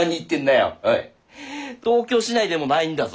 東京市内でもないんだぞ。